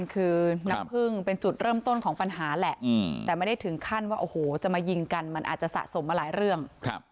คือน้ำพึ่งเป็นจุดเริ่มต้นของปัญหาแหละแต่ไม่ได้ถึงขั้นว่าโอ้โหจะมายิงกันมันอาจจะสะสมมาหลายเรื่อง